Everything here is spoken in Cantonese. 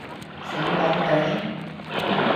上網訂?